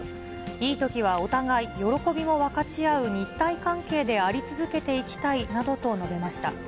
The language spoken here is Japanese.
いいときはお互い喜びも分かち合う日台関係であり続けていきたいなどと述べました。